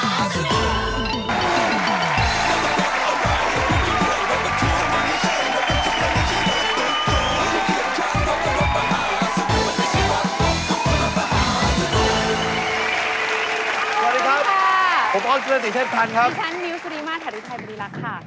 สวัสดีครับผมพ่อฝีน้อยสิริเทศภัณฑ์ครับสวัสดีครับฉันนิ้วสวิมภาษาถ่ายดูไทยพอดีแล้วครับ